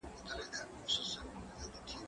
زه به اوږده موده کتابونه وړلي وم